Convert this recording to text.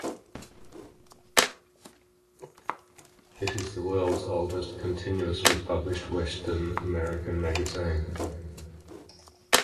It is the world's oldest, continuously-published Western American magazine.